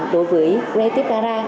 đối với creative dara